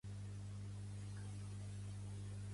Pertany al moviment independentista l'Iris?